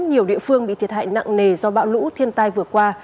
nhiều địa phương bị thiệt hại nặng nề do bão lũ thiên tai vừa qua